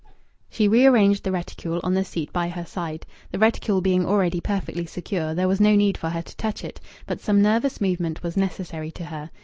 She rearranged the reticule on the seat by her side. The reticule being already perfectly secure, there was no need for her to touch it, but some nervous movement was necessary to her.